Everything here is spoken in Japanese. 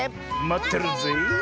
まってるよ！